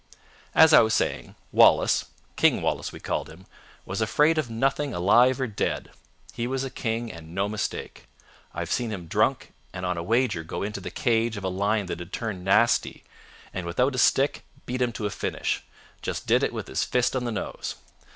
"As I was saying, Wallace—'King' Wallace we called him—was afraid of nothing alive or dead. He was a king and no mistake. I've seen him drunk, and on a wager go into the cage of a lion that'd turned nasty, and without a stick beat him to a finish. Just did it with his fist on the nose.